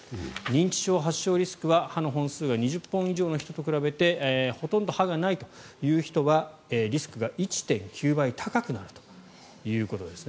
認知症発症リスクは歯の本数が２０本以上の人と比べてほとんど歯がないという人はリスクが１．９倍高くなるということです。